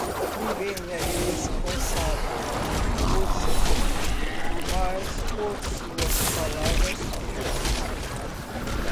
Ninguém é responsável por seu corpo, mas por suas palavras ele é.